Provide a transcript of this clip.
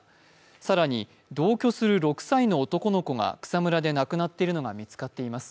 更に同居する６歳の男の子が草むらで亡くなっているのが見つかっています。